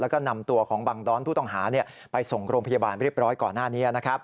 แล้วก็นำตัวของบังด้อนผู้ต้องหาไปส่งโรงพยาบาลเรียบร้อยก่อนหน้านี้